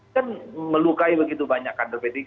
kan melukai begitu banyak kader p tiga